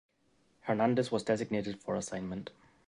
Hernandez was designated for assignment.